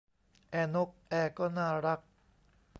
แอร์นกแอร์ก็น่ารัก